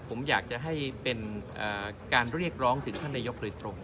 ผมอยากจะให้เป็นการเรียกร้องถึงท่านนายกโดยตรง